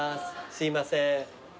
すいません。